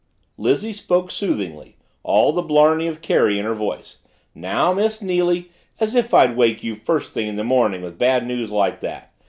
Lizzie spoke soothingly, all the blarney of Kerry in her voice. "Now, Miss Neily, as if I'd wake you first thing in the morning with bad news like that!